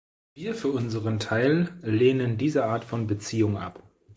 Wir für unseren Teil lehnen diese Art von Beziehung ab.